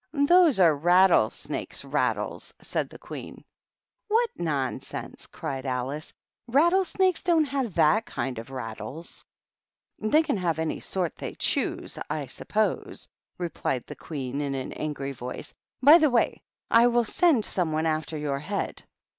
"Those are rattlesnakes' rattles," said th Queen. " What nonsense !" cried Alice. " Rattle snakes don't have that kind of rattles !" "They can have any sort they choose, I sup pose!" replied the Queen, in an angry voice "By the way, I will send some one after you head."